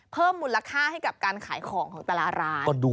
เพิ่มมูลค่าให้กับการขายของของแต่ละร้าน